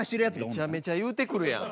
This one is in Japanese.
めちゃめちゃ言うてくるやん。